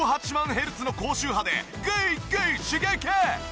ヘルツの高周波でぐいぐい刺激！